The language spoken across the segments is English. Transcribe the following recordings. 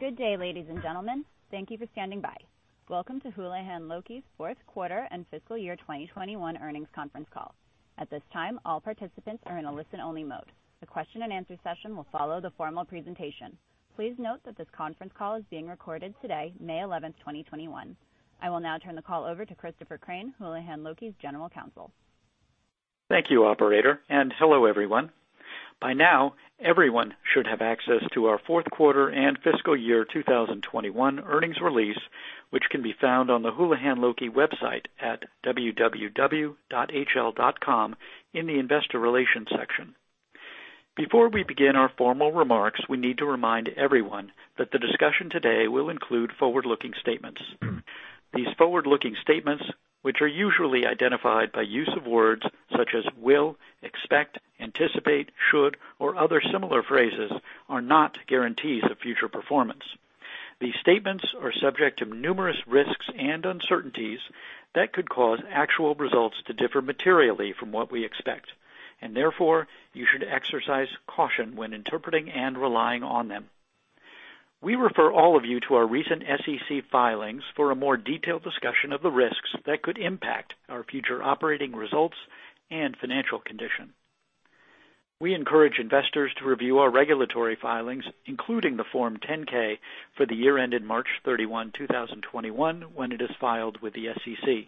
Good day, ladies and gentlemen. Thank you for standing by. Welcome to Houlihan Lokey's fourth quarter and fiscal year 2021 earnings conference call. At this time, all participants are in a listen-only mode. The question and answer session will follow the formal presentation. Please note that this conference call is being recorded today, May 11th, 2021. I will now turn the call over to Christopher Crain, Houlihan Lokey's General Counsel. Thank you, operator, and hello, everyone. By now, everyone should have access to our fourth quarter and fiscal year 2021 earnings release, which can be found on the Houlihan Lokey website at www.hl.com in the investor relations section. Before we begin our formal remarks, we need to remind everyone that the discussion today will include forward-looking statements. These forward-looking statements, which are usually identified by use of words such as will, expect, anticipate, should, or other similar phrases, are not guarantees of future performance. These statements are subject to numerous risks and uncertainties that could cause actual results to differ materially from what we expect, and therefore, you should exercise caution when interpreting and relying on them. We refer all of you to our recent SEC filings for a more detailed discussion of the risks that could impact our future operating results and financial condition. We encourage investors to review our regulatory filings, including the Form 10-K for the year ended March 31, 2021, when it is filed with the SEC.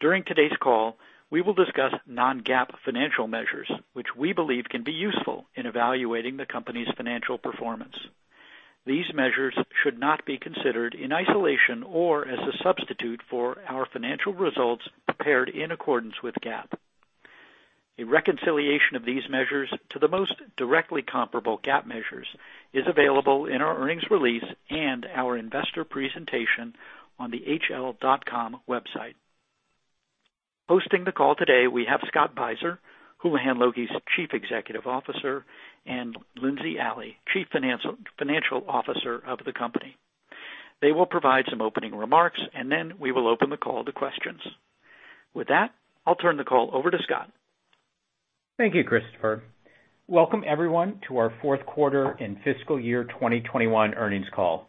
During today's call, we will discuss non-GAAP financial measures, which we believe can be useful in evaluating the company's financial performance. These measures should not be considered in isolation or as a substitute for our financial results prepared in accordance with GAAP. A reconciliation of these measures to the most directly comparable GAAP measures is available in our earnings release and our investor presentation on the hl.com website. Hosting the call today, we have Scott Beiser, Houlihan Lokey's Chief Executive Officer, and J. Lindsey Alley, Chief Financial Officer of the company. They will provide some opening remarks, and then we will open the call to questions. With that, I'll turn the call over to Scott. Thank you, Christopher Crain. Welcome, everyone, to our fourth quarter and fiscal year 2021 earnings call.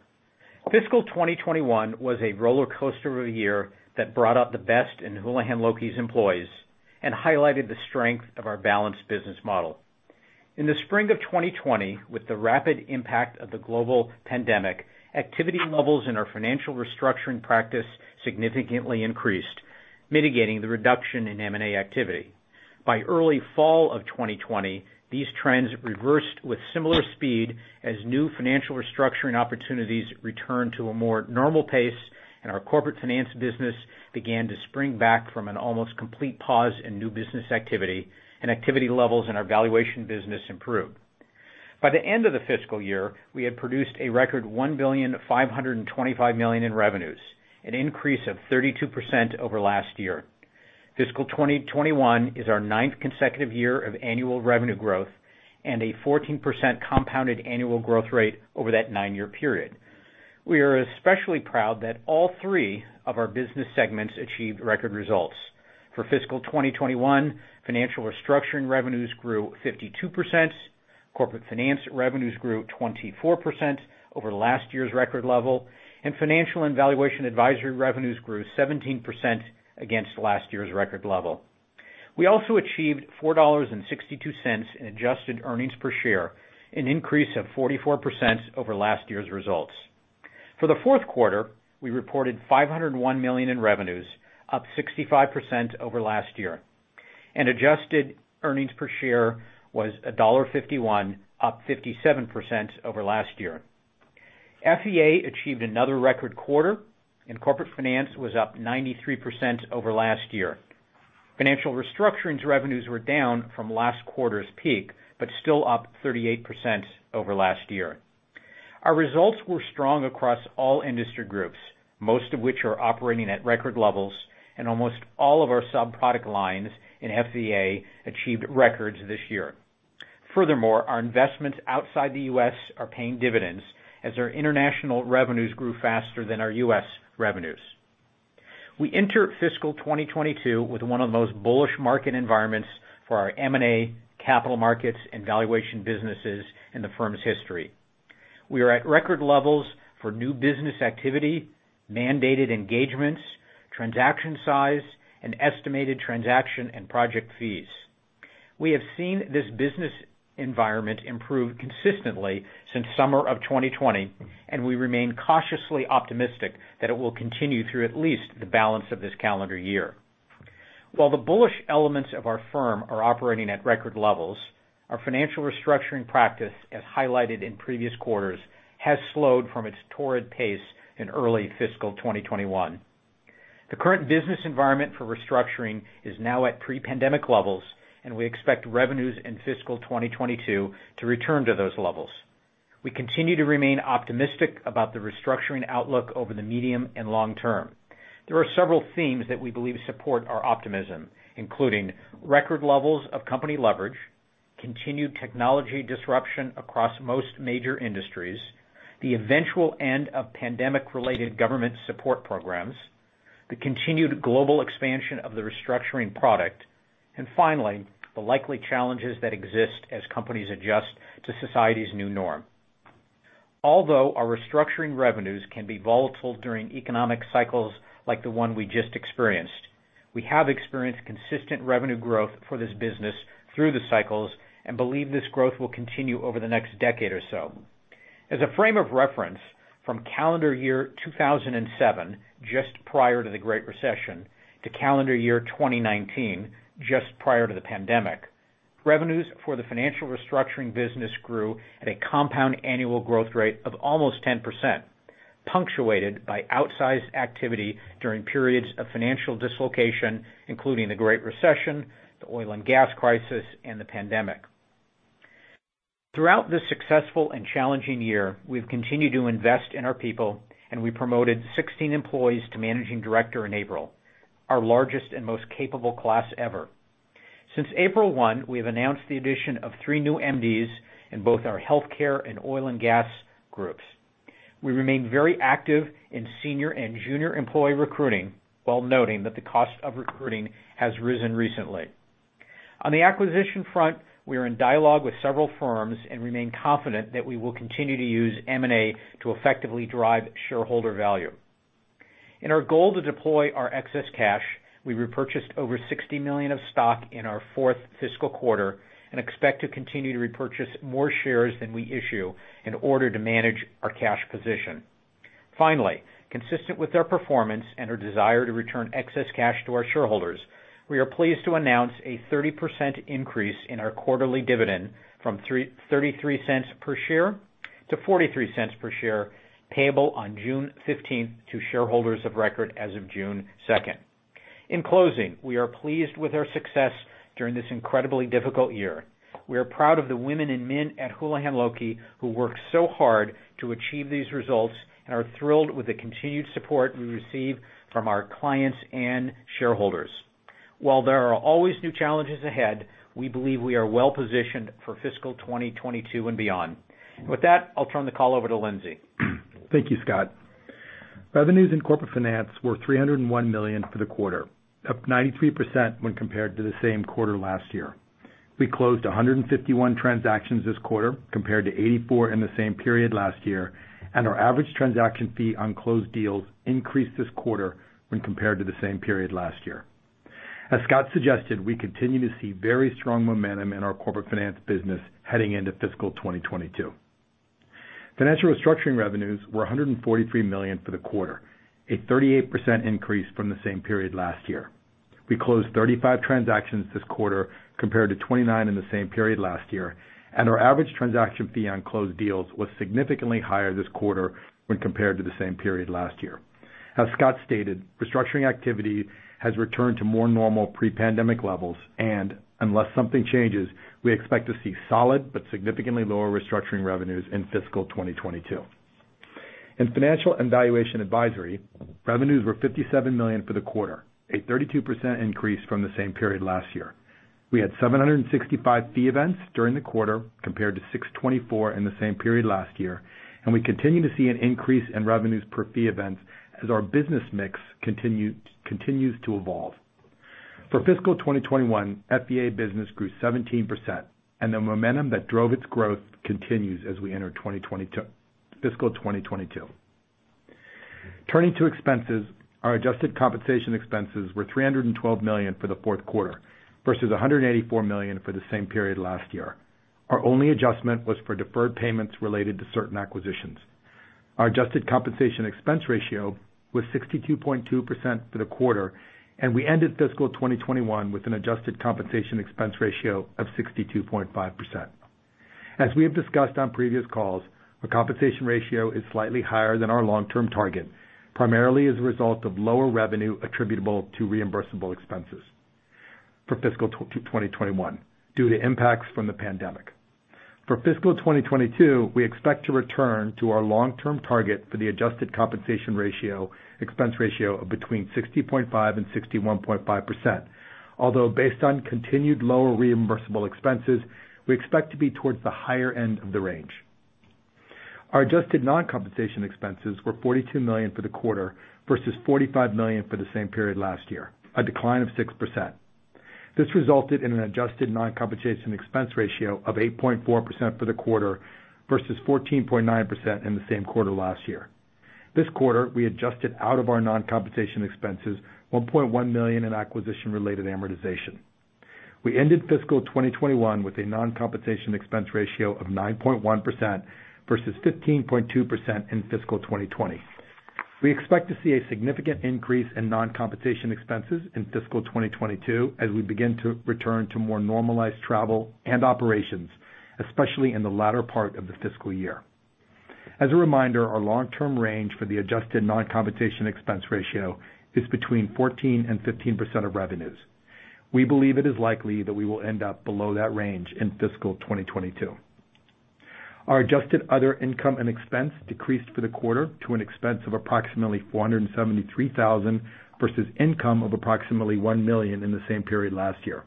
Fiscal 2021 was a roller coaster of a year that brought out the best in Houlihan Lokey's employees and highlighted the strength of our balanced business model. In the spring of 2020, with the rapid impact of the global pandemic, activity levels in our Financial Restructuring practice significantly increased, mitigating the reduction in M&A activity. By early fall of 2020, these trends reversed with similar speed as new Financial Restructuring opportunities returned to a more normal pace and our Corporate Finance business began to spring back from an almost complete pause in new business activity, and activity levels in our valuation business improved. By the end of the fiscal year, we had produced a record $1,525,000,000 in revenues, an increase of 32% over last year. Fiscal 2021 is our ninth consecutive year of annual revenue growth and a 14% compounded annual growth rate over that nine-year period. We are especially proud that all three of our business segments achieved record results. For fiscal 2021, Financial Restructuring revenues grew 52%, Corporate Finance revenues grew 24% over last year's record level, and Financial and Valuation Advisory revenues grew 17% against last year's record level. We also achieved $4.62 in adjusted earnings per share, an increase of 44% over last year's results. For the fourth quarter, we reported $501 million in revenues, up 65% over last year, and adjusted earnings per share was $1.51, up 57% over last year. FVA achieved another record quarter, and Corporate Finance was up 93% over last year. Financial Restructuring revenues were down from last quarter's peak, but still up 38% over last year. Our results were strong across all industry groups, most of which are operating at record levels, and almost all of our sub-product lines in FVA achieved records this year. Our investments outside the U.S. are paying dividends as our international revenues grew faster than our U.S. revenues. We enter fiscal 2022 with one of the most bullish market environments for our M&A, capital markets, and valuation businesses in the firm's history. We are at record levels for new business activity, mandated engagements, transaction size, and estimated transaction and project fees. We have seen this business environment improve consistently since summer of 2020, we remain cautiously optimistic that it will continue through at least the balance of this calendar year. While the bullish elements of our firm are operating at record levels, our Financial Restructuring practice, as highlighted in previous quarters, has slowed from its torrid pace in early fiscal 2021. The current business environment for restructuring is now at pre-pandemic levels, and we expect revenues in fiscal 2022 to return to those levels. We continue to remain optimistic about the restructuring outlook over the medium and long term. There are several themes that we believe support our optimism, including record levels of company leverage, continued technology disruption across most major industries, the eventual end of pandemic-related government support programs. The continued global expansion of the restructuring product. Finally, the likely challenges that exist as companies adjust to society's new norm. Although our restructuring revenues can be volatile during economic cycles like the one we just experienced, we have experienced consistent revenue growth for this business through the cycles and believe this growth will continue over the next decade or so. As a frame of reference, from calendar year 2007, just prior to the Great Recession, to calendar year 2019, just prior to the pandemic, revenues for the Financial Restructuring business grew at a compound annual growth rate of almost 10%, punctuated by outsized activity during periods of financial dislocation, including the Great Recession, the oil and gas crisis, and the pandemic. Throughout this successful and challenging year, we've continued to invest in our people, and we promoted 16 employees to Managing Director in April, our largest and most capable class ever. Since April 1, we have announced the addition of three new MDs in both our healthcare and oil and gas groups. We remain very active in senior and junior employee recruiting, while noting that the cost of recruiting has risen recently. On the acquisition front, we are in dialogue with several firms and remain confident that we will continue to use M&A to effectively drive shareholder value. In our goal to deploy our excess cash, we repurchased over $60 million of stock in our fourth fiscal quarter and expect to continue to repurchase more shares than we issue in order to manage our cash position. Finally, consistent with our performance and our desire to return excess cash to our shareholders, we are pleased to announce a 30% increase in our quarterly dividend from $0.33 per share to $0.43 per share, payable on June 15th to shareholders of record as of June 2nd. In closing, we are pleased with our success during this incredibly difficult year. We are proud of the women and men at Houlihan Lokey who work so hard to achieve these results and are thrilled with the continued support we receive from our clients and shareholders. While there are always new challenges ahead, we believe we are well-positioned for fiscal 2022 and beyond. With that, I'll turn the call over to Lindsey. Thank you, Scott. Revenues in Corporate Finance were $301 million for the quarter, up 93% when compared to the same quarter last year. We closed 151 transactions this quarter, compared to 84 in the same period last year, and our average transaction fee on closed deals increased this quarter when compared to the same period last year. As Scott suggested, we continue to see very strong momentum in our Corporate Finance business heading into fiscal 2022. Financial Restructuring revenues were $143 million for the quarter, a 38% increase from the same period last year. We closed 35 transactions this quarter, compared to 29 in the same period last year, and our average transaction fee on closed deals was significantly higher this quarter when compared to the same period last year. As Scott stated, restructuring activity has returned to more normal pre-pandemic levels, and unless something changes, we expect to see solid but significantly lower restructuring revenues in fiscal 2022. In Financial and Valuation Advisory, revenues were $57 million for the quarter, a 32% increase from the same period last year. We had 765 fee events during the quarter, compared to 624 in the same period last year, and we continue to see an increase in revenues per fee events as our business mix continues to evolve. For fiscal 2021, FVA business grew 17%, and the momentum that drove its growth continues as we enter fiscal 2022. Turning to expenses, our adjusted compensation expenses were $312 million for the fourth quarter versus $184 million for the same period last year. Our only adjustment was for deferred payments related to certain acquisitions. Our adjusted compensation expense ratio was 62.2% for the quarter, and we ended fiscal 2021 with an adjusted compensation expense ratio of 62.5%. As we have discussed on previous calls, our compensation ratio is slightly higher than our long-term target, primarily as a result of lower revenue attributable to reimbursable expenses for fiscal 2021 due to impacts from the pandemic. For fiscal 2022, we expect to return to our long-term target for the adjusted compensation expense ratio of between 60.5% and 61.5%, although based on continued lower reimbursable expenses, we expect to be towards the higher end of the range. Our adjusted non-compensation expenses were $42 million for the quarter versus $45 million for the same period last year, a decline of 6%. This resulted in an adjusted non-compensation expense ratio of 8.4% for the quarter versus 14.9% in the same quarter last year. This quarter, we adjusted out of our non-compensation expenses $1.1 million in acquisition-related amortization. We ended fiscal 2021 with a non-compensation expense ratio of 9.1% versus 15.2% in fiscal 2020. We expect to see a significant increase in non-compensation expenses in fiscal 2022 as we begin to return to more normalized travel and operations, especially in the latter part of the fiscal year. As a reminder, our long-term range for the adjusted non-compensation expense ratio is between 14% and 15% of revenues. We believe it is likely that we will end up below that range in fiscal 2022. Our adjusted other income and expense decreased for the quarter to an expense of approximately $473,000 versus income of approximately $1 million in the same period last year.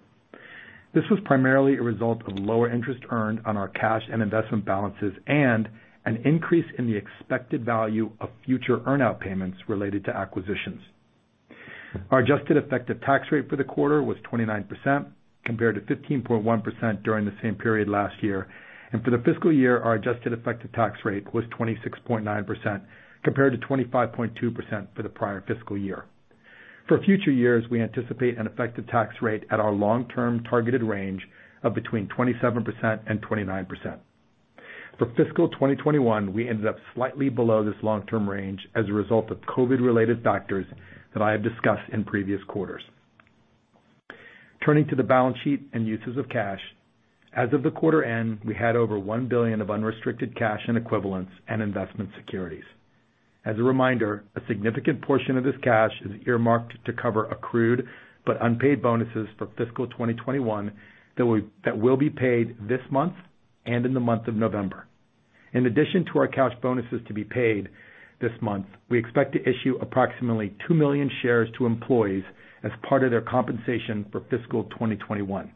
This was primarily a result of lower interest earned on our cash and investment balances and an increase in the expected value of future earn-out payments related to acquisitions. Our adjusted effective tax rate for the quarter was 29%, compared to 15.1% during the same period last year. For the fiscal year, our adjusted effective tax rate was 26.9%, compared to 25.2% for the prior fiscal year. For future years, we anticipate an effective tax rate at our long-term targeted range of between 27% and 29%. For fiscal 2021, we ended up slightly below this long-term range as a result of COVID-related factors that I have discussed in previous quarters. Turning to the balance sheet and uses of cash. As of the quarter end, we had over $1 billion of unrestricted cash equivalents and investment securities. As a reminder, a significant portion of this cash is earmarked to cover accrued but unpaid bonuses for fiscal 2021 that will be paid this month and in the month of November. In addition to our cash bonuses to be paid this month, we expect to issue approximately 2 million shares to employees as part of their compensation for fiscal 2021.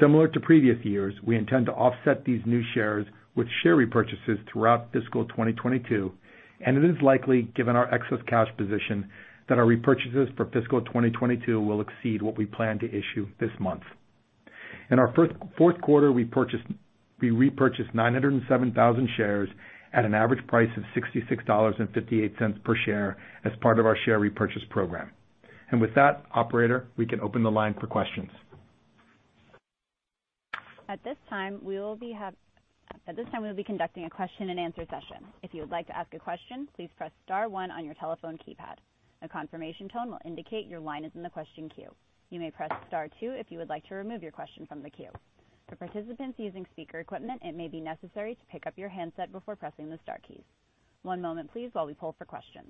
Similar to previous years, we intend to offset these new shares with share repurchases throughout fiscal 2022, and it is likely, given our excess cash position, that our repurchases for fiscal 2022 will exceed what we plan to issue this month. In our fourth quarter, we repurchased 907,000 shares at an average price of $66.58 per share as part of our share repurchase program. With that, operator, we can open the line for questions. At this time, we will be conducting a question and answer session. If you would like to ask a question, please press star one on your telephone keypad. A confirmation tone will indicate your line is in the question queue. You may press star two if you would like to remove your question from the queue. For participants using speaker equipment, it may be necessary to pick up your handset before pressing the star keys. One moment, please, while we poll for questions.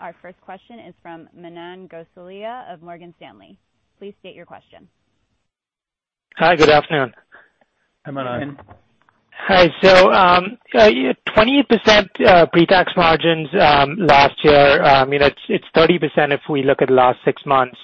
Our first question is from Manan Gosalia of Morgan Stanley. Please state your question. Hi, good afternoon. Hi, Manan. Hi. 28% pretax margins last year. It's 30% if we look at the last six months.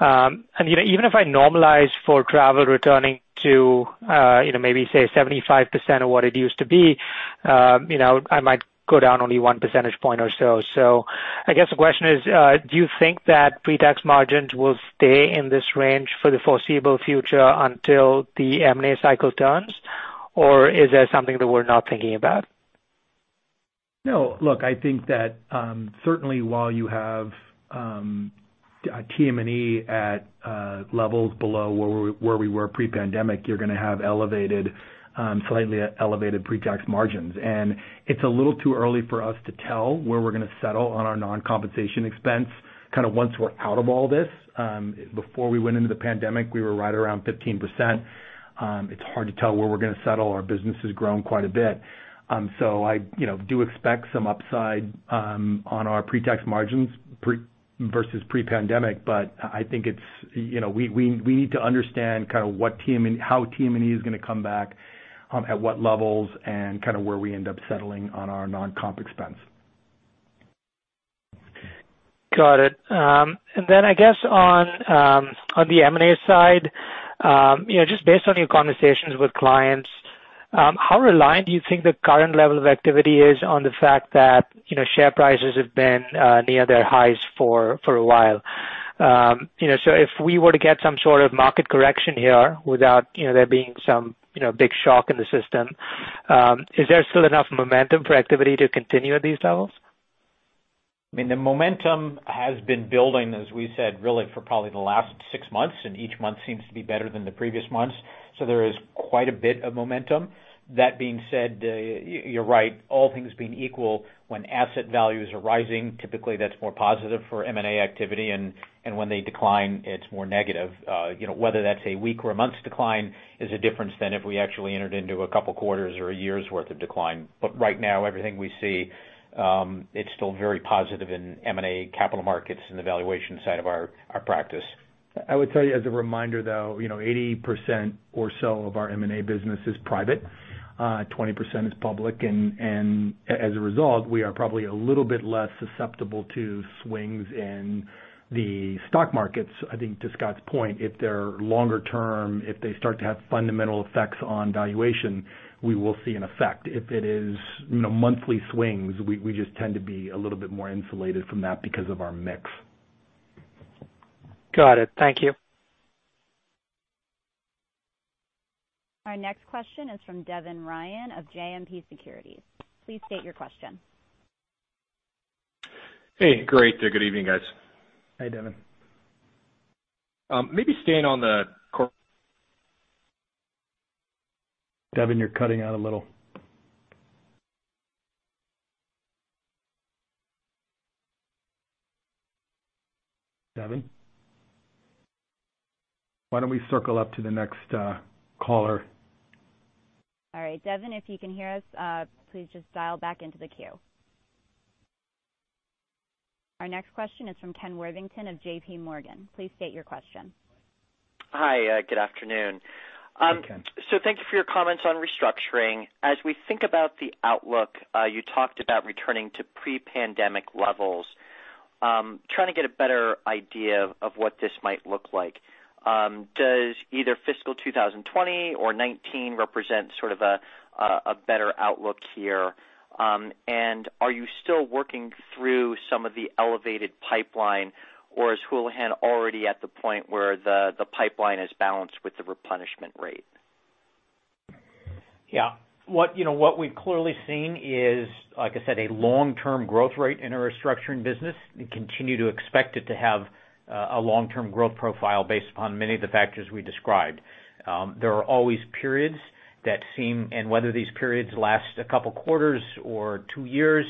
Even if I normalize for travel returning to maybe say 75% of what it used to be, I might go down only one percentage point or so. I guess the question is, do you think that pretax margins will stay in this range for the foreseeable future until the M&A cycle turns, or is there something that we're not thinking about? No, look, I think that certainly while you have TM&E at levels below where we were pre-pandemic, you're going to have slightly elevated pretax margins. It's a little too early for us to tell where we're going to settle on our non-compensation expense once we're out of all this. Before we went into the pandemic, we were right around 15%. It's hard to tell where we're going to settle. Our business has grown quite a bit. I do expect some upside on our pretax margins versus pre-pandemic, but I think we need to understand how TM&E is going to come back, at what levels, and where we end up settling on our non-comp expense. Got it. I guess on the M&A side, just based on your conversations with clients, how reliant do you think the current level of activity is on the fact that share prices have been near their highs for a while? If we were to get some sort of market correction here without there being some big shock in the system, is there still enough momentum for activity to continue at these levels? The momentum has been building, as we said, really for probably the last six months, and each month seems to be better than the previous months. There is quite a bit of momentum. That being said, you're right, all things being equal, when asset values are rising, typically that's more positive for M&A activity, and when they decline, it's more negative. Whether that's a week or a month's decline is a difference than if we actually entered into a couple of quarters' or a year's worth of decline. Right now, everything we see, it's still very positive in M&A capital markets and the valuation side of our practice. I would tell you as a reminder, though, 80% or so of our M&A business is private. 20% is public, and as a result, we are probably a little bit less susceptible to swings in the stock markets. To Scott's point, if they're longer term, if they start to have fundamental effects on valuation, we will see an effect. If it is monthly swings, we just tend to be a little bit more insulated from that because of our mix. Got it. Thank you. Our next question is from Devin Ryan of JMP Securities. Please state your question. Hey, great. Good evening, guys. Hi, Devin. Maybe staying on the cor-. Devin, you're cutting out a little. Devin? Why don't we circle up to the next caller? All right, Devin, if you can hear us, please just dial back into the queue. Our next question is from Ken Worthington of JP Morgan. Please state your question. Hi, good afternoon. Hey, Ken. Thank you for your comments on restructuring. As we think about the outlook, you talked about returning to pre-pandemic levels. I'm trying to get a better idea of what this might look like. Does either fiscal 2020 or 2019 represent sort of a better outlook here? Are you still working through some of the elevated pipeline, or is Houlihan already at the point where the pipeline is balanced with the replenishment rate? Yeah. What we've clearly seen is, like I said, a long-term growth rate in our Restructuring business. We continue to expect it to have a long-term growth profile based upon many of the factors we described. There are always periods that seem, and whether these periods last a couple quarters or two years,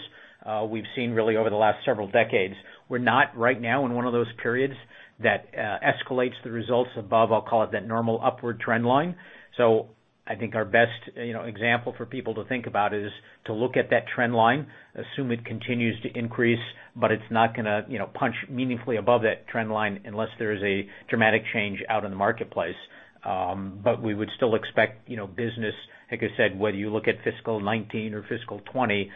we've seen really over the last several decades. We're not right now in one of those periods that escalates the results above, I'll call it, that normal upward trend line. I think our best example for people to think about is to look at that trend line, assume it continues to increase, but it's not going to punch meaningfully above that trend line unless there is a dramatic change out in the marketplace. We would still expect business, like I said, whether you look at fiscal 2019 or fiscal 2020,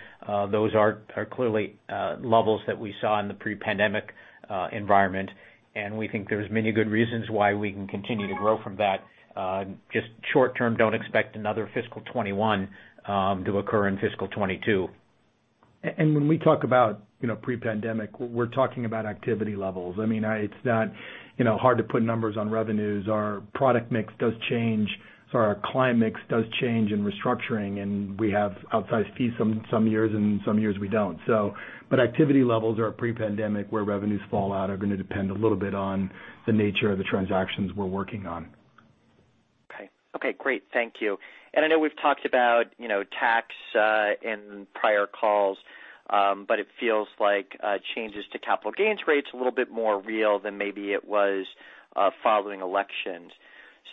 those are clearly levels that we saw in the pre-pandemic environment. We think there's many good reasons why we can continue to grow from that. Just short term, don't expect another fiscal 2021 to occur in fiscal 2022. When we talk about pre-pandemic, we're talking about activity levels. It's not hard to put numbers on revenues. Our product mix does change, so our client mix does change in Restructuring, and we have outsized fees some years, and some years we don't. Activity levels are pre-pandemic, where revenues fall out are going to depend a little bit on the nature of the transactions we're working on. Okay, great. Thank you. I know we've talked about tax in prior calls. It feels like changes to capital gains rates are a little bit more real than maybe it was following elections.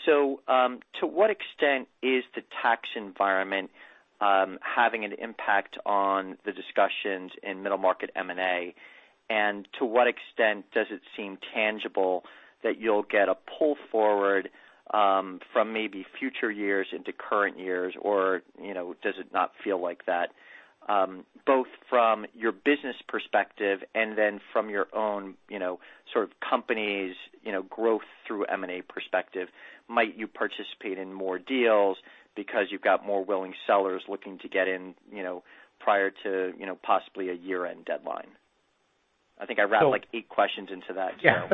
To what extent is the tax environment having an impact on the discussions in middle market M&A, and to what extent does it seem tangible that you'll get a pull forward from maybe future years into current years, or does it not feel like that? Both from your business perspective and then from your own sort of company's growth through M&A perspective, might you participate in more deals because you've got more willing sellers looking to get in prior to possibly a year-end deadline? I think I wrapped like eight questions into that. Yeah.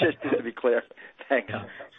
Just to be clear. Thanks.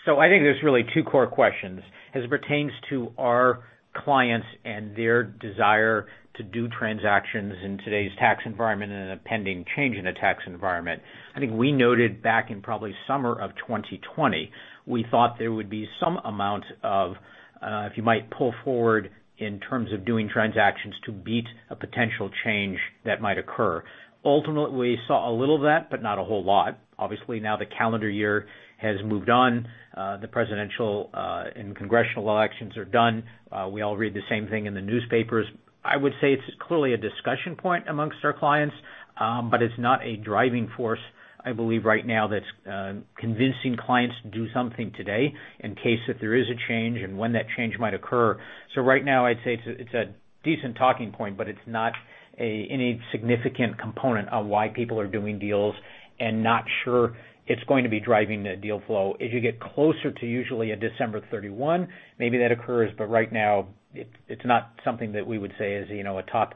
There's really two core questions. As it pertains to our clients and their desire to do transactions in today's tax environment and a pending change in the tax environment. I think we noted back in probably summer of 2020, we thought there would be some amount of if you might pull forward in terms of doing transactions to beat a potential change that might occur. Ultimately, we saw a little of that, but not a whole lot. Obviously, now the calendar year has moved on. The presidential and congressional elections are done. We all read the same thing in the newspapers. I would say it's clearly a discussion point amongst our clients, but it's not a driving force, I believe right now that's convincing clients to do something today in case if there is a change and when that change might occur. Right now, I'd say it's a decent talking point, but it's not any significant component of why people are doing deals and not sure it's going to be driving the deal flow. As you get closer to usually a December 31, maybe that occurs, but right now it's not something that we would say is a top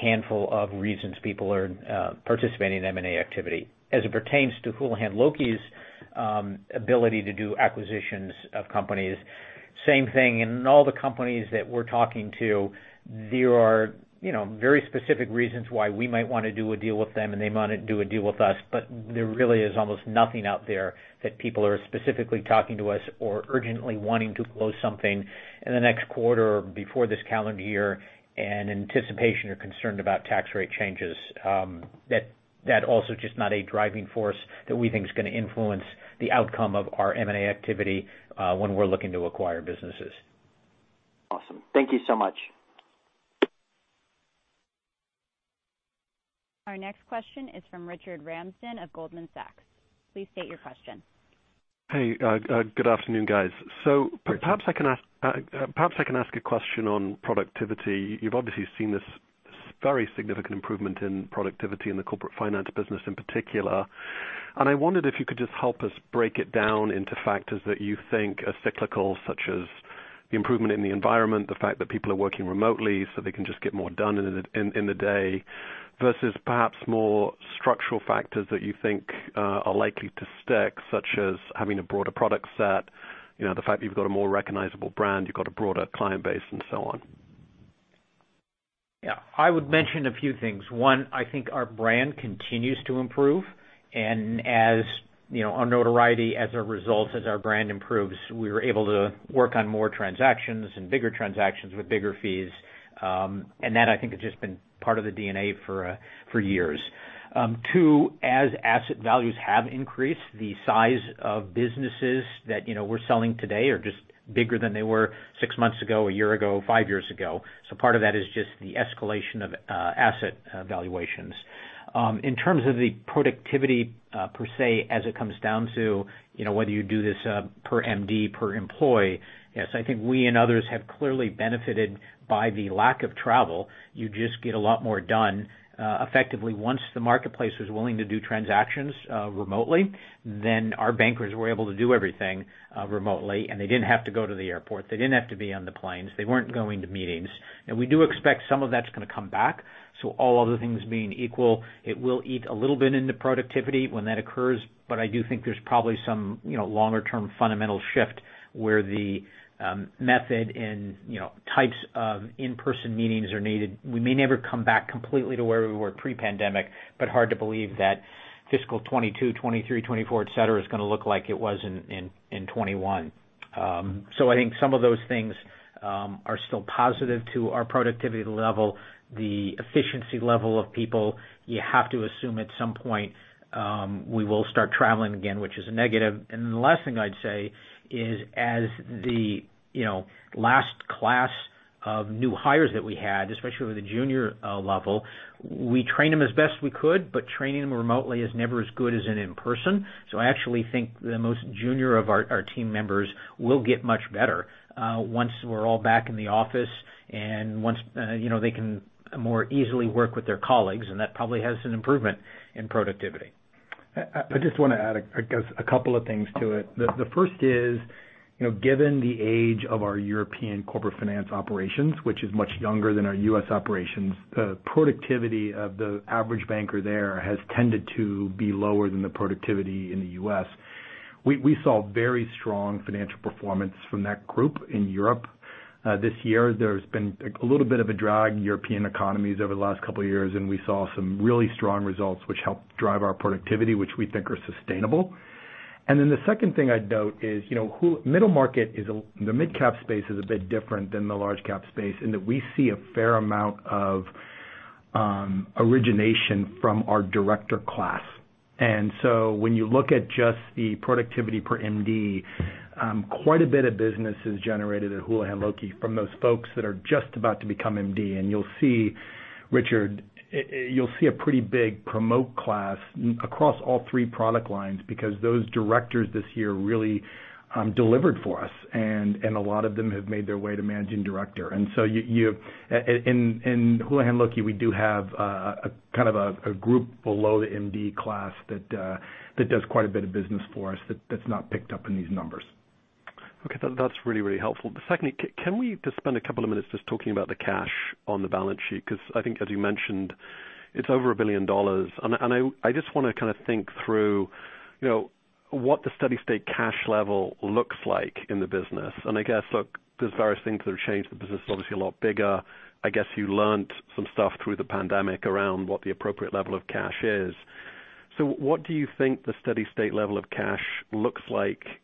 handful of reasons people are participating in M&A activity. As it pertains to Houlihan Lokey's ability to do acquisitions of companies, same thing. In all the companies that we're talking to, there are very specific reasons why we might want to do a deal with them, and they might not do a deal with us. There really is almost nothing out there that people are specifically talking to us or urgently wanting to close something in the next quarter or before this calendar year in anticipation or concerned about tax rate changes. That also just not a driving force that we think is going to influence the outcome of our M&A activity when we're looking to acquire businesses. Awesome. Thank you so much. Our next question is from Richard Ramsden of Goldman Sachs. Please state your question. Hey, good afternoon, guys. Perhaps I can ask a question on productivity. You've obviously seen this very significant improvement in productivity in the Corporate Finance business in particular, and I wondered if you could just help us break it down into factors that you think are cyclical, such as the improvement in the environment, the fact that people are working remotely so they can just get more done in the day, versus perhaps more structural factors that you think are likely to stick, such as having a broader product set, the fact that you've got a more recognizable brand, you've got a broader client base, and so on. Yeah. I would mention a few things. One, I think our brand continues to improve, and as our notoriety as a result, as our brand improves, we were able to work on more transactions and bigger transactions with bigger fees. That has just been part of the DNA for years. Two, as asset values have increased, the size of businesses that we're selling today are just bigger than they were six months ago, one year ago, five years ago. Part of that is just the escalation of asset valuations. In terms of the productivity per se, as it comes down to whether you do this per MD, per employee. Yes, I think we and others have clearly benefited by the lack of travel. You just get a lot more done effectively. Once the marketplace was willing to do transactions remotely, our bankers were able to do everything remotely, and they didn't have to go to the airport. They didn't have to be on the planes. They weren't going to meetings. We do expect some of that's going to come back. All other things being equal, it will eat a little bit into productivity when that occurs. I do think there's probably some longer-term fundamental shift where the method in types of in-person meetings are needed. We may never come back completely to where we were pre-pandemic, hard to believe that fiscal 2022, 2023, 2024, et cetera, is going to look like it was in 2021. Some of those things are still positive to our productivity level, the efficiency level of people. You have to assume at some point we will start traveling again, which is a negative. The last thing I'd say is as the last class of new hires that we had, especially with the junior level, we trained them as best we could, but training them remotely is never as good as an in-person. I actually think the most junior of our team members will get much better once we're all back in the office and once they can more easily work with their colleagues, and that probably has an improvement in productivity. I just want to add a couple of things to it. The first is, given the age of our European Corporate Finance operations, which is much younger than our U.S. operations, productivity of the average banker there has tended to be lower than the productivity in the U.S. We saw very strong financial performance from that group in Europe this year. There's been a little bit of a drag in European economies over the last couple of years. We saw some really strong results, which helped drive our productivity, which we think are sustainable. The second thing I'd note is Houlihan Lokey, the mid-cap space is a bit different than the large-cap space in that we see a fair amount of origination from our director class. When you look at just the productivity per MD, quite a bit of business is generated at Houlihan Lokey from those folks that are just about to become MD. You'll see, Richard, a pretty big promote class across all three product lines because those directors this year really delivered for us. A lot of them have made their way to Managing Director. In Houlihan Lokey, we do have a group below the MD class that does quite a bit of business for us that's not picked up in these numbers. Okay. That is really helpful. Secondly, can we just spend a couple of minutes just talking about the cash on the balance sheet? As you mentioned, it is over $1 billion. I just want to think through what the steady-state cash level looks like in the business. I guess, look, there is various things that have changed. The business is obviously a lot bigger. I guess you learned some stuff through the pandemic around what the appropriate level of cash is. What do you think the steady-state level of cash looks like today?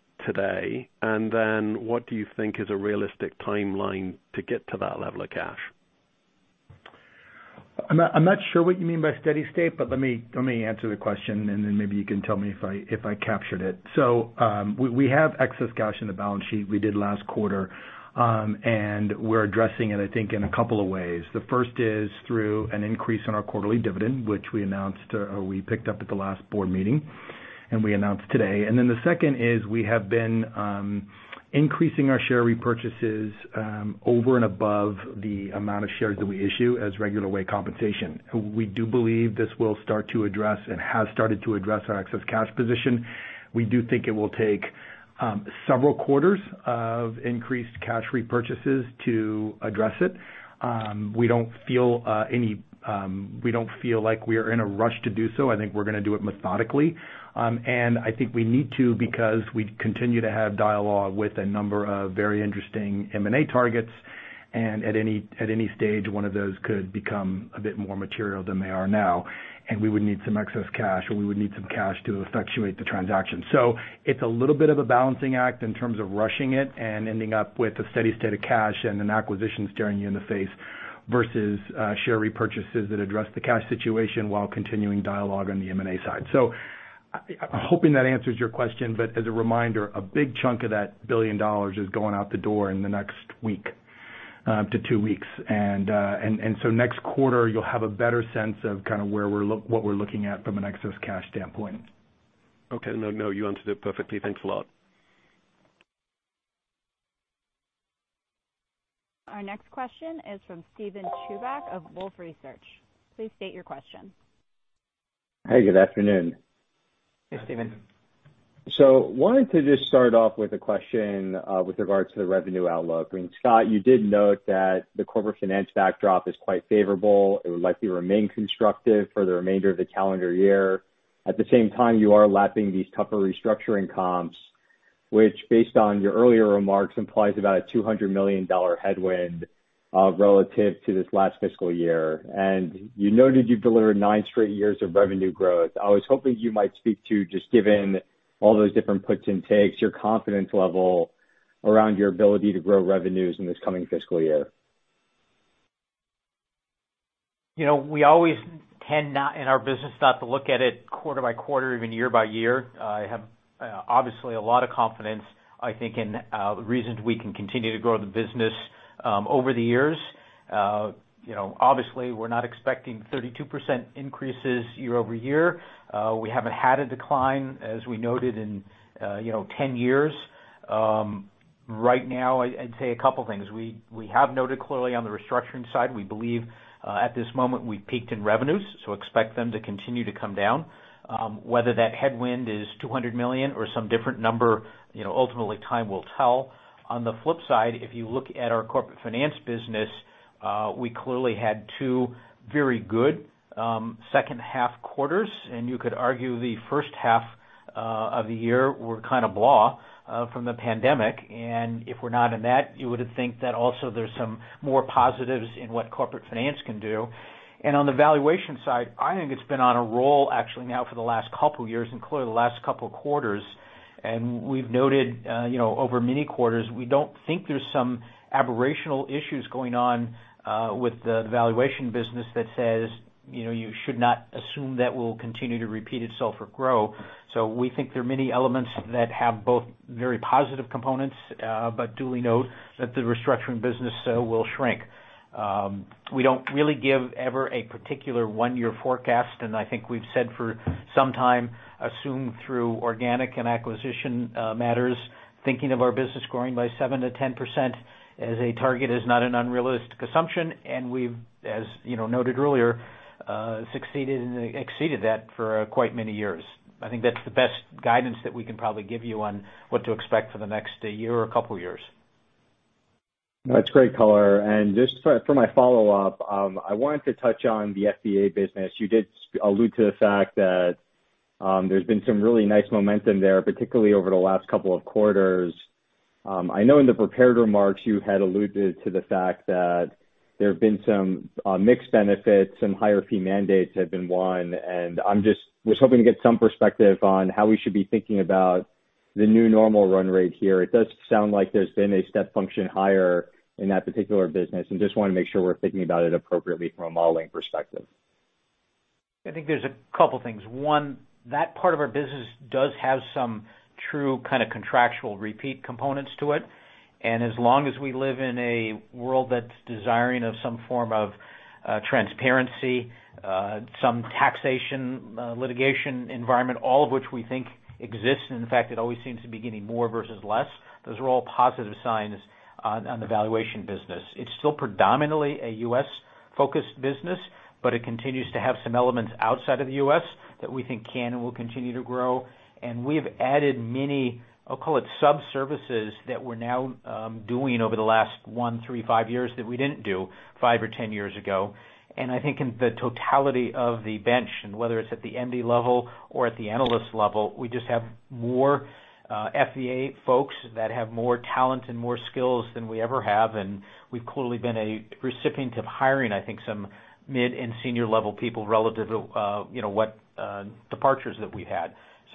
What do you think is a realistic timeline to get to that level of cash? I'm not sure what you mean by steady state, let me answer the question, maybe you can tell me if I captured it. We have excess cash in the balance sheet. We did last quarter. We're addressing it, I think, in a couple of ways. The first is through an increase in our quarterly dividend, which we picked up at the last board meeting, and we announced today. The second is we have been increasing our share repurchases over and above the amount of shares that we issue as regular way compensation. We do believe this will start to address and has started to address our excess cash position. We do think it will take several quarters of increased cash repurchases to address it. We don't feel like we are in a rush to do so. We're going to do it methodically. I think we need to because we continue to have dialogue with a number of very interesting M&A targets, and at any stage, one of those could become a bit more material than they are now, and we would need some excess cash, or we would need some cash to effectuate the transaction. It's a little bit of a balancing act in terms of rushing it and ending up with a steady state of cash and an acquisition staring you in the face versus share repurchases that address the cash situation while continuing dialogue on the M&A side. I'm hoping that answers your question, but as a reminder, a big chunk of that $1 billion is going out the door in the next week to two weeks. Next quarter you'll have a better sense of what we're looking at from an excess cash standpoint. Okay. No, you answered it perfectly. Thanks a lot. Our next question is from Steven Chubak of Wolfe Research. Please state your question. Hey, good afternoon. Hey, Steven. Wanted to just start off with a question with regards to the revenue outlook. Scott, you did note that the Corporate Finance backdrop is quite favorable. It would likely remain constructive for the remainder of the calendar year. At the same time, you are lapping these tougher Restructuring comps, which based on your earlier remarks, implies about a $200 million headwind relative to this last fiscal year. You noted you've delivered nine straight years of revenue growth. I was hoping you might speak to just given all those different puts and takes, your confidence level around your ability to grow revenues in this coming fiscal year. We always tend not in our business, not to look at it quarter by quarter, even year by year. I have obviously a lot of confidence in the reasons we can continue to grow the business. Over the years, obviously we're not expecting 32% increases year-over-year. We haven't had a decline, as we noted in 10 years. Right now, I'd say a couple things. We have noted clearly on the Restructuring side, we believe, at this moment, we've peaked in revenues, so expect them to continue to come down. Whether that headwind is $200 million or some different number, ultimately time will tell. On the flip side, if you look at our Corporate Finance business, we clearly had two very good second half quarters, and you could argue the first half of the year were kind of blah from the pandemic. If we're not in that, you would think that also there's some more positives in what Corporate Finance can do. On the valuation side, I think it's been on a roll actually now for the last couple years, including the last couple quarters. We've noted, over many quarters, we don't think there's some aberrational issues going on with the valuation business that says you should not assume that will continue to repeat itself or grow. We think there are many elements that have both very positive components, but duly note that the Financial Restructuring business will shrink. We don't really give ever a particular one-year forecast, and I think we've said for some time, assume through organic and acquisition matters, thinking of our business growing by 7% to 10% as a target is not an unrealistic assumption. We've, as you know, noted earlier, succeeded and exceeded that for quite many years. I think that's the best guidance that we can probably give you on what to expect for the next year or couple years. That's great color. Just for my follow-up, I wanted to touch on the FVA business. You did allude to the fact that there's been some really nice momentum there, particularly over the last couple of quarters. I know in the prepared remarks you had alluded to the fact that there have been some mixed benefits, some higher fee mandates have been won, I was just hoping to get some perspective on how we should be thinking about the new normal run rate here. It does sound like there's been a step function higher in that particular business, just want to make sure we're thinking about it appropriately from a modeling perspective. There's a couple things. That part of our business does have some true kind of contractual repeat components to it. As long as we live in a world that's desiring of some form of transparency, some taxation litigation environment, all of which we think exists, and in fact, it always seems to be getting more versus less. Those are all positive signs on the valuation business. It's still predominantly a U.S.-focused business, but it continues to have some elements outside of the U.S. that we think can and will continue to grow. We've added many, I'll call it sub-services, that we're now doing over the last one, three, five years that we didn't do five or 10 years ago. In the totality of the bench, whether it's at the MD level or at the analyst level, we just have more FVA folks that have more talent and more skills than we ever have. We've clearly been a recipient of hiring some mid and senior level people relative to what departures that we've had.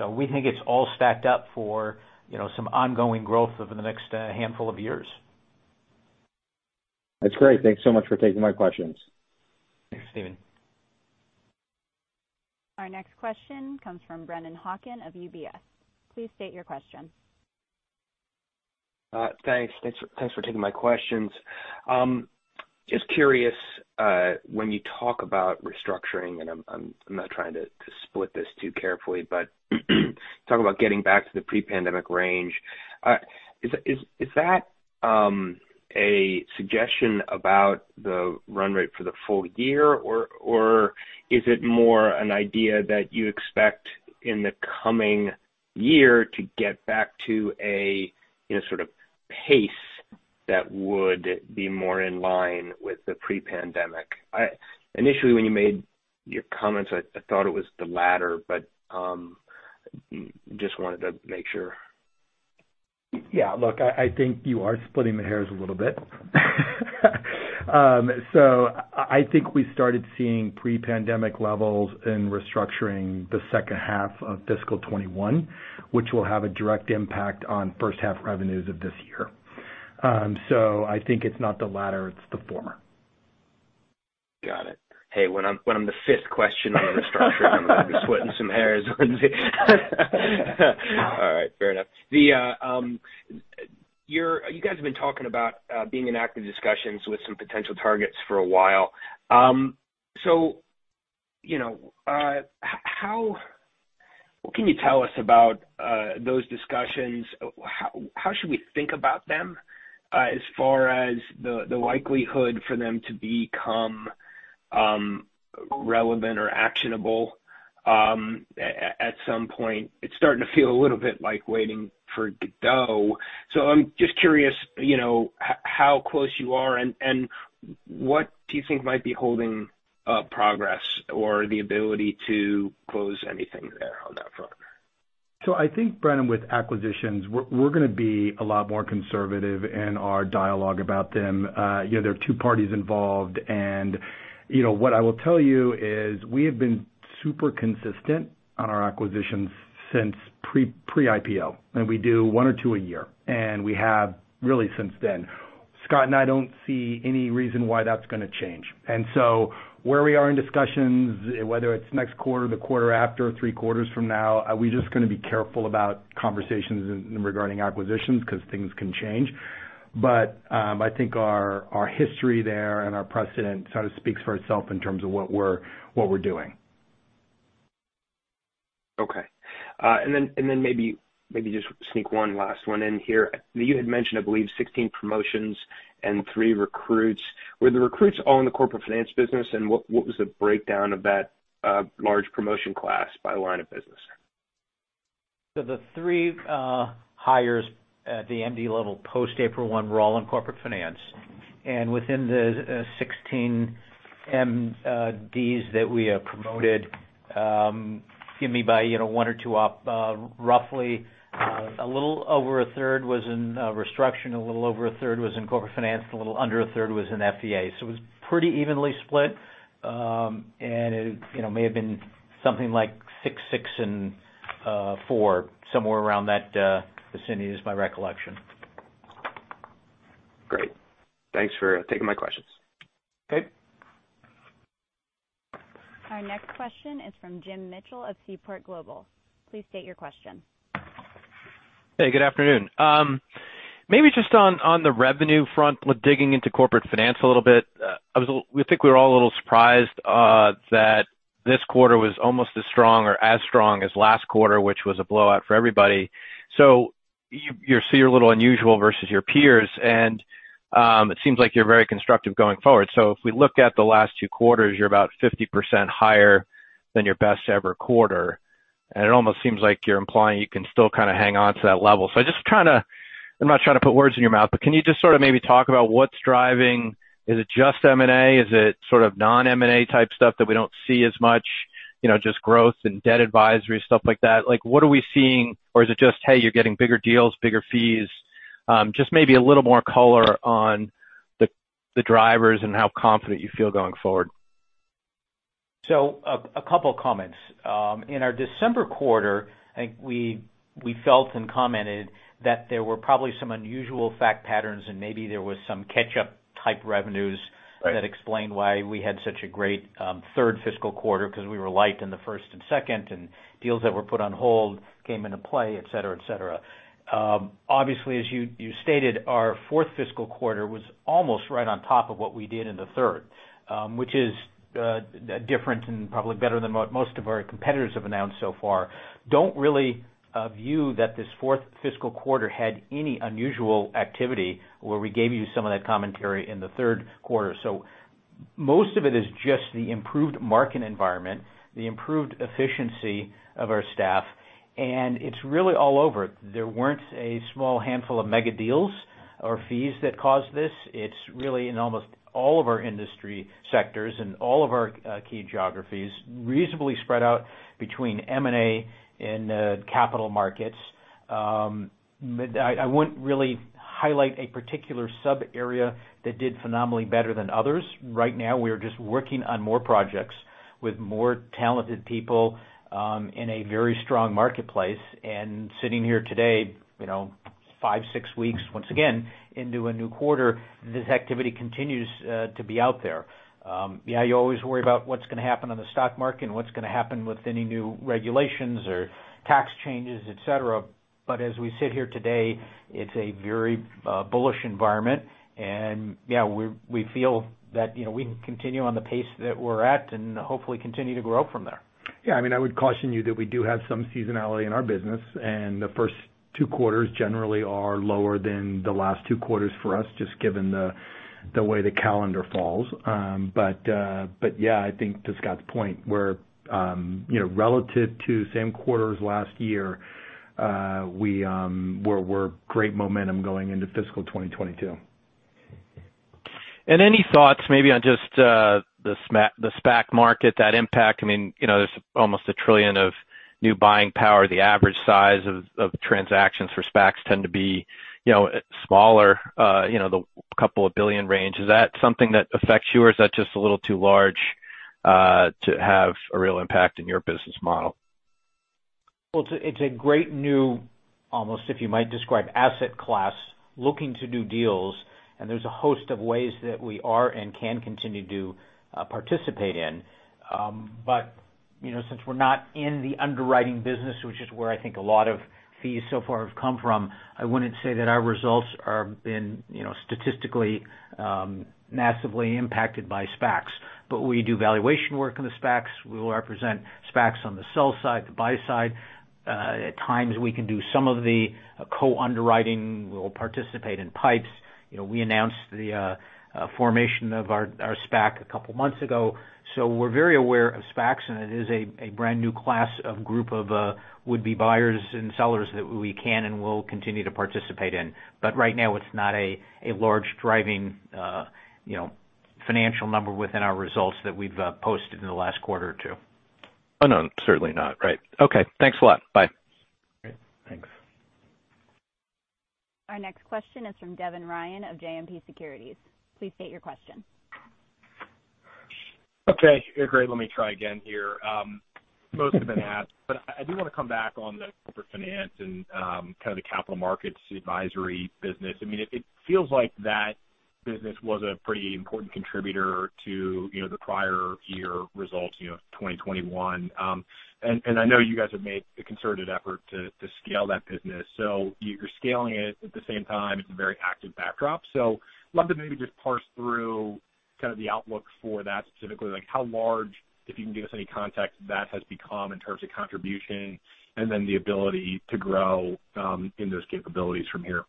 We think it's all stacked up for some ongoing growth over the next handful of years. That's great. Thanks so much for taking my questions. Thanks, Steven. Our next question comes from Brennan Hawken of UBS. Please state your question. Thanks for taking my questions. Just curious, when you talk about restructuring, and I'm not trying to split this too carefully, but talk about getting back to the pre-pandemic range. Is that a suggestion about the run rate for the full year, or is it more an idea that you expect in the coming year to get back to a sort of pace that would be more in line with the pre-pandemic? Initially, when you made your comments, I thought it was the latter, but just wanted to make sure. Yeah, look, I think you are splitting the hairs a little bit. I think we started seeing pre-pandemic levels in restructuring the second half of fiscal 2021, which will have a direct impact on first half revenues of this year. I think it's not the latter, it's the former. Got it. Hey, when I'm the fifth question on the restructuring, I'm allowed to split some hairs. All right, fair enough. You guys have been talking about being in active discussions with some potential targets for a while. What can you tell us about those discussions? How should we think about them as far as the likelihood for them to become relevant or actionable at some point? It's starting to feel a little bit like waiting for Godot. I'm just curious how close you are, and what do you think might be holding up progress or the ability to close anything there on that front? Brennan, with acquisitions, we're going to be a lot more conservative in our dialogue about them. There are two parties involved, and what I will tell you is we have been super consistent on our acquisitions since pre-IPO, and we do one or two a year, and we have really since then. Scott and I don't see any reason why that's going to change. Where we are in discussions, whether it's next quarter, the quarter after, or three quarters from now, we're just going to be careful about conversations regarding acquisitions because things can change. Our history there and our precedent sort of speaks for itself in terms of what we're doing. Okay. Maybe just sneak one last one in here. You had mentioned, I believe, 16 promotions and three recruits. Were the recruits all in the Corporate Finance business, and what was the breakdown of that large promotion class by line of business? The three hires at the MD level post April 1 were all in Corporate Finance. Within the 16 MDs that we have promoted, give me about one or two up, roughly a little over a third was in restructuring, a little over a third was in Corporate Finance, and a little under a third was in FVA. It was pretty evenly split. It may have been something like six, and four, somewhere around that vicinity is my recollection. Great. Thanks for taking my questions. Okay. Our next question is from Jim Mitchell of Seaport Global. Please state your question. Hey, good afternoon. Maybe just on the revenue front with digging into Corporate Finance a little bit. I think we were all a little surprised that this quarter was almost as strong or as strong as last quarter, which was a blowout for everybody. You're a little unusual versus your peers, and it seems like you're very constructive going forward. If we look at the last two quarters, you're about 50% higher than your best ever quarter, and it almost seems like you're implying you can still kind of hang on to that level. I'm not trying to put words in your mouth, but can you just sort of maybe talk about what's driving? Is it just M&A? Is it sort of non-M&A type stuff that we don't see as much, just growth and debt advisory, stuff like that? What are we seeing? Is it just, hey, you're getting bigger deals, bigger fees? Just maybe a little more color on the drivers and how confident you feel going forward. A couple of comments. In our December quarter, I think we felt and commented that there were probably some unusual fact patterns and maybe there was some catch-up type revenues that explained why we had such a great third fiscal quarter because we were light in the first and second, and deals that were put on hold came into play, et cetera. As you stated, our fourth fiscal quarter was almost right on top of what we did in the third, which is different and probably better than what most of our competitors have announced so far. Don't really view that this fourth fiscal quarter had any unusual activity where we gave you some of that commentary in the third quarter. Most of it is just the improved market environment, the improved efficiency of our staff, and it's really all over. There weren't a small handful of mega deals or fees that caused this. It's really in almost all of our industry sectors and all of our key geographies, reasonably spread out between M&A and capital markets. I wouldn't really highlight a particular sub-area that did phenomenally better than others. Right now, we are just working on more projects with more talented people in a very strong marketplace. Sitting here today, five, six weeks, once again, into a new quarter, this activity continues to be out there. Yeah, you always worry about what's going to happen on the stock market and what's going to happen with any new regulations or tax changes, et cetera. As we sit here today, it's a very bullish environment. Yeah, we feel that we can continue on the pace that we're at and hopefully continue to grow from there. Yeah. I would caution you that we do have some seasonality in our business, the first two quarters generally are lower than the last two quarters for us, just given the way the calendar falls. Yeah, to Scott's point, where relative to same quarters last year, we're great momentum going into fiscal 2022. Any thoughts maybe on just the SPAC market, that impact? There's almost $1 trillion of new buying power. The average size of transactions for SPACs tend to be smaller, the couple of billion range. Is that something that affects you, or is that just a little too large to have a real impact in your business model? Well, it's a great new, almost, if you might describe, asset class looking to do deals. There's a host of ways that we are and can continue to participate in. Since we're not in the underwriting business, which is where I think a lot of fees so far have come from, I wouldn't say that our results are statistically massively impacted by SPACs. We do valuation work on the SPACs. We will represent SPACs on the sell side, the buy side. At times, we can do some of the co-underwriting. We'll participate in PIPEs. We announced the formation of our SPAC a couple of months ago. We're very aware of SPACs, and it is a brand new class of group of would-be buyers and sellers that we can and will continue to participate in. Right now, it's not a large driving financial number within our results that we've posted in the last quarter or two. Oh, no, certainly not. Right. Okay. Thanks a lot. Bye. Great. Thanks. Our next question is from Devin Ryan of JMP Securities. Please state your question. Okay, great. Let me try again here. I do want to come back on the Corporate Finance and kind of the capital markets advisory business. It feels like that Business was a pretty important contributor to the prior year results, 2021. I know you guys have made a concerted effort to scale that business. You're scaling it. At the same time, it's a very active backdrop. Love to maybe just parse through kind of the outlook for that specifically, like how large, if you can give us any context, that has become in terms of contribution and then the ability to grow in those capabilities from here?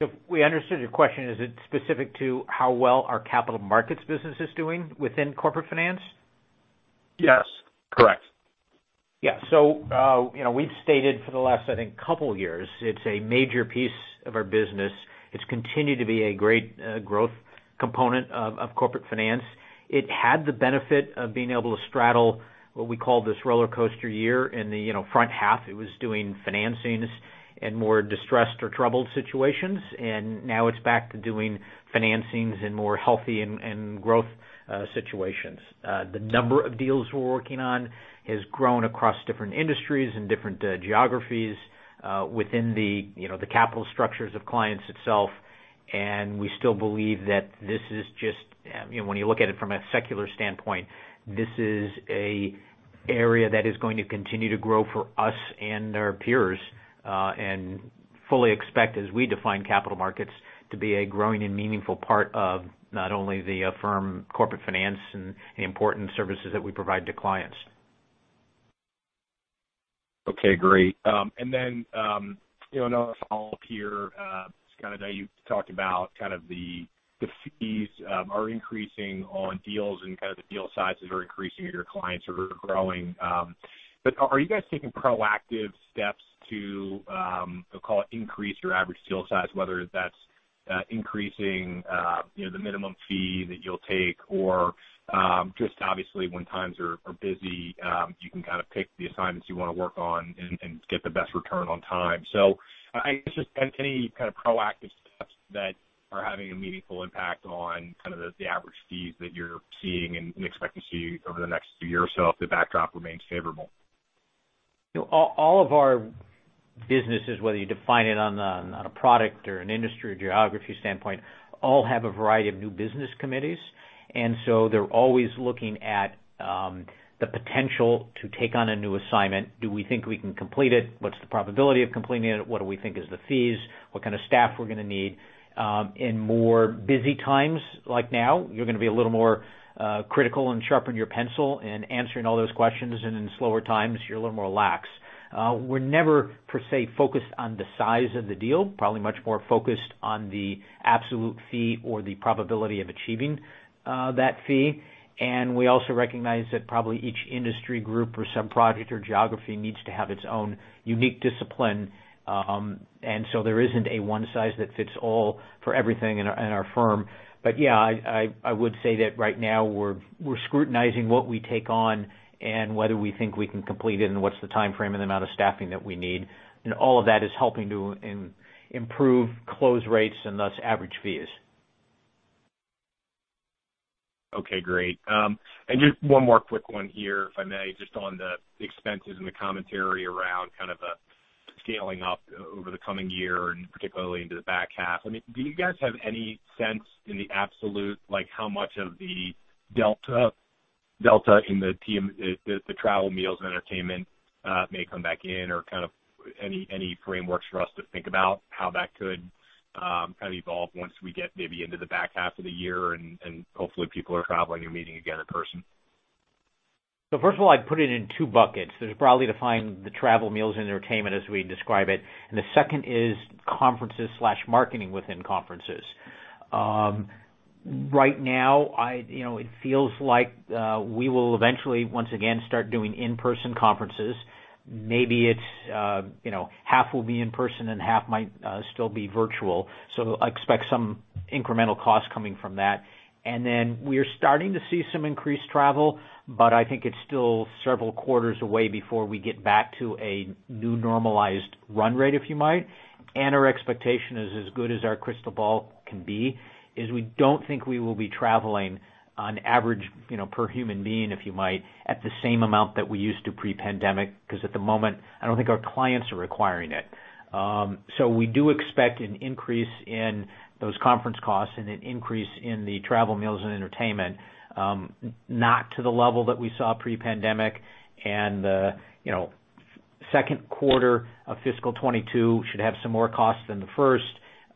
If we understood your question, is it specific to how well our capital markets business is doing within Corporate Finance? Yes. Correct. Yeah. We've stated for the last couple years, it's a major piece of our business. It's continued to be a great growth component of Corporate Finance. It had the benefit of being able to straddle what we call this rollercoaster year. In the front half, it was doing financings in more distressed or troubled situations, and now it's back to doing financings in more healthy and growth situations. The number of deals we're working on has grown across different industries and different geographies within the capital structures of clients itself. We still believe that this is when you look at it from a secular standpoint, this is an area that is going to continue to grow for us and our peers, and fully expect, as we define capital markets, to be a growing and meaningful part of not only the firm Corporate Finance and the important services that we provide to clients. Okay, great. Then, another follow-up here. I know you talked about kind of the fees are increasing on deals and kind of the deal sizes are increasing and your clients are growing. Are you guys taking proactive steps to, we'll call it, increase your average deal size, whether that's increasing the minimum fee that you'll take or just obviously when times are busy, you can kind of pick the assignments you want to work on and get the best return on time. Just any kind of proactive steps that are having a meaningful impact on kind of the average fees that you're seeing and expect to see over the next year or so if the backdrop remains favorable. All of our businesses, whether you define it on a product or an industry or geography standpoint, all have a variety of new business committees, they're always looking at the potential to take on a new assignment. Do we think we can complete it? What's the probability of completing it? What do we think is the fees? What kind of staff we're going to need? In more busy times like now, you're going to be a little more critical and sharpen your pencil in answering all those questions, in slower times, you're a little more lax. We're never, per se, focused on the size of the deal, probably much more focused on the absolute fee or the probability of achieving that fee. We also recognize that probably each industry group or sub-project or geography needs to have its own unique discipline. There isn't a one size that fits all for everything in our firm. Yeah, I would say that right now we're scrutinizing what we take on and whether we think we can complete it and what's the timeframe and the amount of staffing that we need. All of that is helping to improve close rates and thus average fees. Okay, great. Just one more quick one here, if I may, just on the expenses and the commentary around kind of the scaling up over the coming year and particularly into the back half. Do you guys have any sense in the absolute, like how much of the delta in the TM&E, the travel, meals, and entertainment may come back in or kind of any frameworks for us to think about how that could kind of evolve once we get maybe into the back half of the year and hopefully people are traveling and meeting again in person? First of all, I'd put it in two buckets. There's broadly defined the travel, meals, and entertainment as we describe it, and the second is conferences/marketing within conferences. Right now, it feels like we will eventually once again start doing in-person conferences. Maybe it's half will be in person and half might still be virtual. Expect some incremental cost coming from that. Then we are starting to see some increased travel, but I think it's still several quarters away before we get back to a new normalized run rate, if you might. Our expectation is as good as our crystal ball can be, is we don't think we will be traveling on average per human being, if you might, at the same amount that we used to pre-pandemic, because at the moment, I don't think our clients are requiring it. We do expect an increase in those conference costs and an increase in the travel, meals, and entertainment, not to the level that we saw pre-pandemic. The second quarter of fiscal 2022 should have some more costs than the first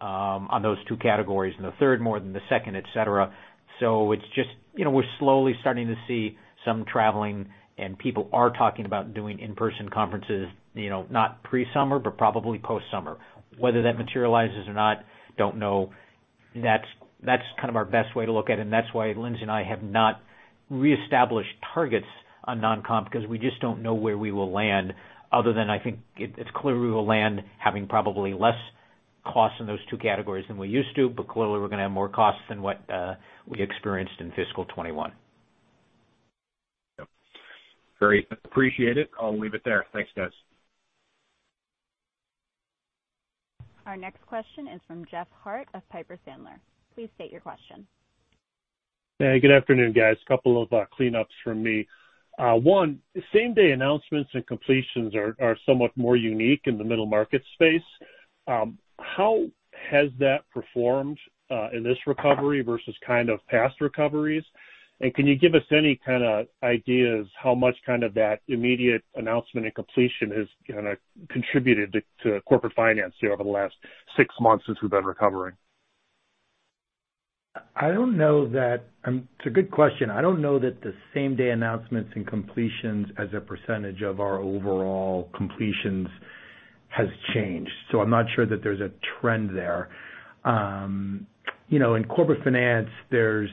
on those two categories, and the third more than the second, et cetera. It's just we're slowly starting to see some traveling, and people are talking about doing in-person conferences not pre-summer, but probably post-summer. Whether that materializes or not, don't know. That's kind of our best way to look at it. That's why Lindsey and I have not reestablished targets on non-comp because we just don't know where we will land other than I think it's clear we will land having probably less costs in those two categories than we used to. Clearly, we're going to have more costs than what we experienced in fiscal 2021. Yep. Great. Appreciate it. I'll leave it there. Thanks, guys. Our next question is from Jeff Harte of Piper Sandler. Please state your question. Hey, good afternoon, guys. Couple of cleanups from me. One, same-day announcements and completions are somewhat more unique in the middle market space. How has that performed in this recovery versus past recoveries? Can you give us any ideas how much that immediate announcement and completion has contributed to Corporate Finance over the last six months since we've been recovering? It's a good question. I don't know that the same-day announcements and completions as a percentage of our overall completions has changed. I'm not sure that there's a trend there. In Corporate Finance, there's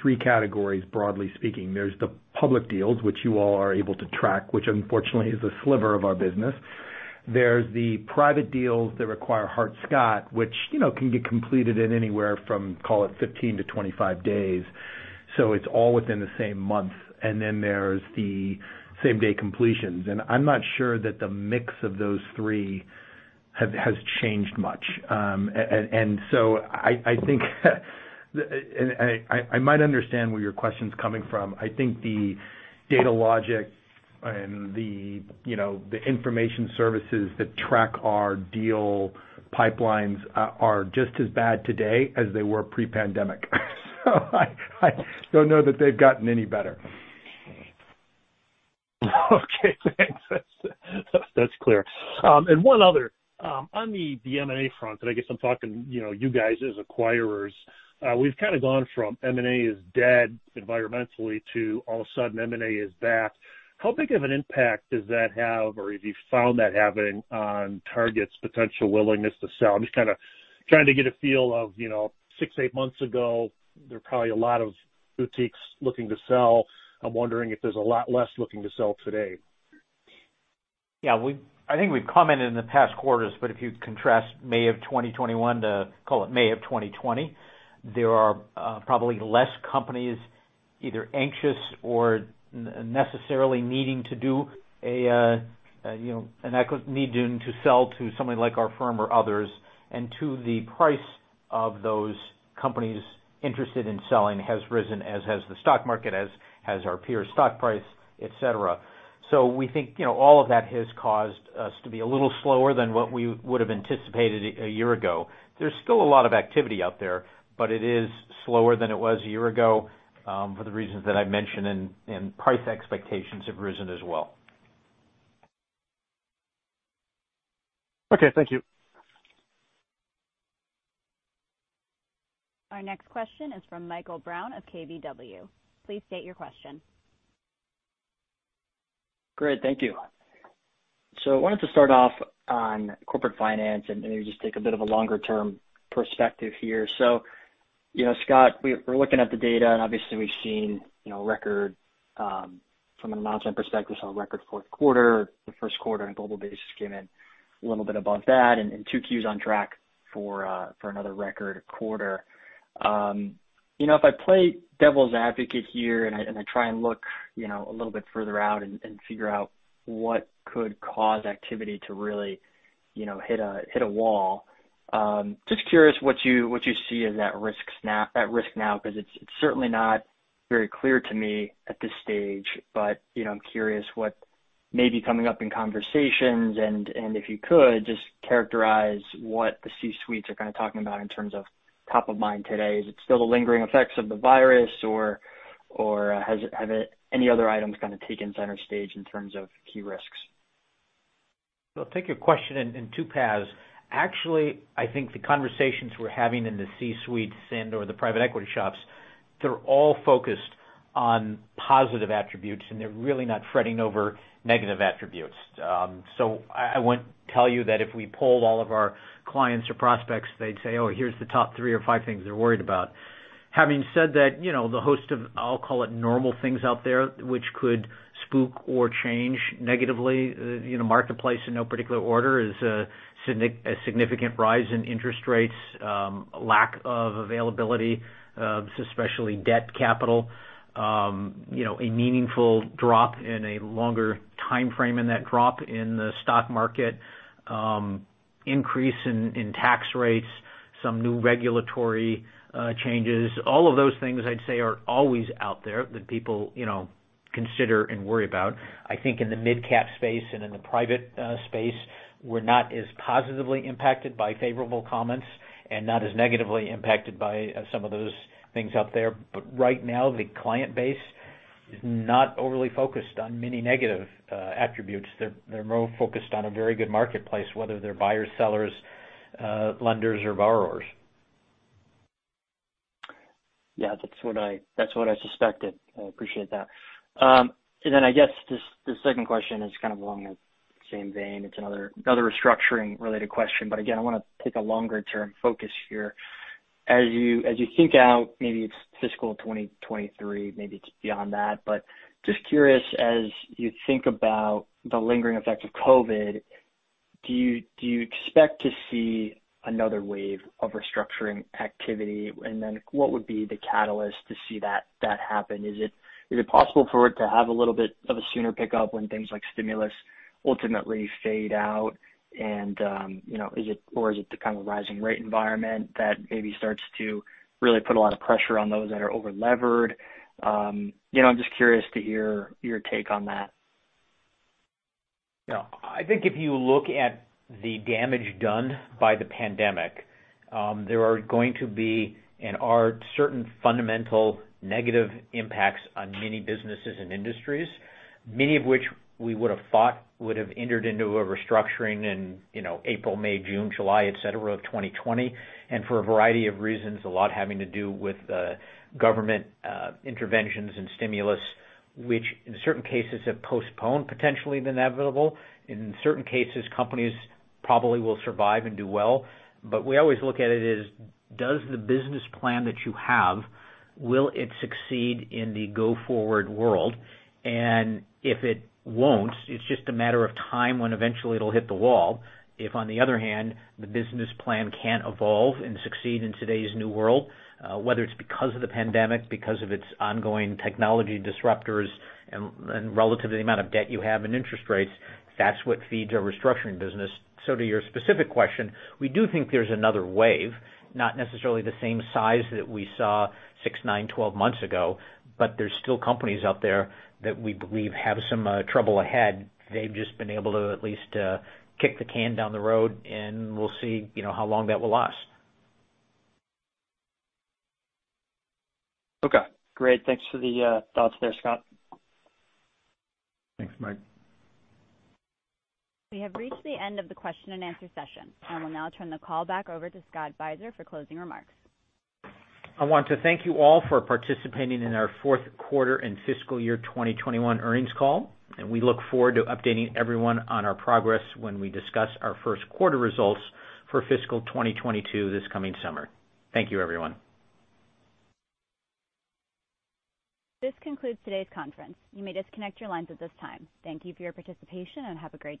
three categories, broadly speaking. There's the public deals, which you all are able to track, which unfortunately is a sliver of our business. There's the private deals that require Hart-Scott-Rodino, which can get completed in anywhere from, call it 15 to 25 days. It's all within the same month. There's the same-day completions. I'm not sure that the mix of those three has changed much. I might understand where your question's coming from. The Dealogic and the information services that track our deal pipelines are just as bad today as they were pre-pandemic. I don't know that they've gotten any better. Okay, thanks. That's clear. One other. On the M&A front, and I'm talking you guys as acquirers, we've kind of gone from M&A is dead environmentally to all of a sudden, M&A is back. How big of an impact does that have, or have you found that having on targets' potential willingness to sell? I'm just trying to get a feel of six, eight months ago, there were probably a lot of boutiques looking to sell. I'm wondering if there's a lot less looking to sell today. Yeah. I think we've commented in the past quarters, if you contrast May of 2021 to, call it May of 2020, there are probably less companies either anxious or necessarily needing to sell to somebody like our firm or others. Two, the price of those companies interested in selling has risen, as has the stock market, as has our peer stock price, et cetera. We think all of that has caused us to be a little slower than what we would've anticipated a year ago. There's still a lot of activity out there, but it is slower than it was a year ago for the reasons that I've mentioned, and price expectations have risen as well. Okay. Thank you. Our next question is from Michael Brown of KBW. Please state your question. Great. Thank you. I wanted to start off on Corporate Finance and maybe just take a bit of a longer-term perspective here. Scott, we're looking at the data, and obviously we've seen from an amount standpoint perspective, saw a record fourth quarter. The first quarter on a global basis came in a little bit above that, and two Qs on track for another record quarter. If I play devil's advocate here and I try and look a little bit further out and figure out what could cause activity to really hit a wall, just curious what you see as at risk now, because it's certainly not very clear to me at this stage. I'm curious what may be coming up in conversations, and if you could, just characterize what the C-suites are talking about in terms of top of mind today. Is it still the lingering effects of the virus, or have any other items taken center stage in terms of key risks? I'll take your question in two paths. Actually, I think the conversations we're having in the C-suites and/or the private equity shops, they're all focused on positive attributes, and they're really not fretting over negative attributes. I wouldn't tell you that if we polled all of our clients or prospects, they'd say, "Oh, here's the top three or five things they're worried about." Having said that, the host of, I'll call it normal things out there which could spook or change negatively marketplace in no particular order is a significant rise in interest rates, lack of availability of especially debt capital, a meaningful drop and a longer timeframe in that drop in the stock market, increase in tax rates, some new regulatory changes. All of those things I'd say are always out there that people consider and worry about. In the midcap space and in the private space, we're not as positively impacted by favorable comments and not as negatively impacted by some of those things out there. Right now, the client base is not overly focused on many negative attributes. They're more focused on a very good marketplace, whether they're buyers, sellers, lenders or borrowers. Yeah, that's what I suspected. I appreciate that. The second question is kind of along the same vein. It's another restructuring related question, but again, I want to take a longer-term focus here. As you think out, maybe it's fiscal 2023, maybe it's beyond that, but just curious, as you think about the lingering effects of COVID, do you expect to see another wave of restructuring activity? What would be the catalyst to see that happen? Is it possible for it to have a little bit of a sooner pickup when things like stimulus ultimately fade out, or is it the kind of rising rate environment that maybe starts to really put a lot of pressure on those that are over-levered? I'm just curious to hear your take on that. Yeah. I think if you look at the damage done by the pandemic, there are going to be and are certain fundamental negative impacts on many businesses and industries, many of which we would've thought would've entered into a restructuring in April, May, June, July, et cetera, of 2020. For a variety of reasons, a lot having to do with government interventions and stimulus, which in certain cases have postponed potentially the inevitable. In certain cases, companies probably will survive and do well. We always look at it as does the business plan that you have, will it succeed in the go-forward world? If it won't, it's just a matter of time when eventually it'll hit the wall. If on the other hand, the business plan can evolve and succeed in today's new world, whether it's because of the pandemic, because of its ongoing technology disruptors, and relative to the amount of debt you have in interest rates, that's what feeds our restructuring business. To your specific question, we do think there's another wave. Not necessarily the same size that we saw six, nine, 12 months ago, but there's still companies out there that we believe have some trouble ahead. They've just been able to at least kick the can down the road, and we'll see how long that will last. Okay, great. Thanks for the thoughts there, Scott. Thanks, Mike. We have reached the end of the question and answer session. I will now turn the call back over to Scott Beiser for closing remarks. I want to thank you all for participating in our fourth quarter and fiscal year 2021 earnings call. We look forward to updating everyone on our progress when we discuss our first quarter results for fiscal 2022 this coming summer. Thank you, everyone. This concludes today's conference. You may disconnect your lines at this time. Thank you for your participation, and have a great day.